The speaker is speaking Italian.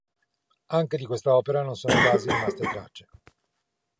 Anche di questa opera non sono quasi rimaste tracce.